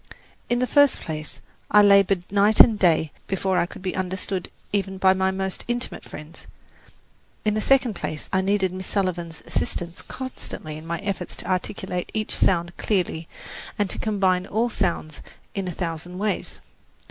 In the first place, I laboured night and day before I could be understood even by my most intimate friends; in the second place, I needed Miss Sullivan's assistance constantly in my efforts to articulate each sound clearly and to combine all sounds in a thousand ways.